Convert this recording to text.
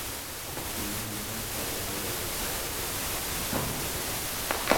Finalmente, Gallardo regresó a Barcelona para montar un estudio.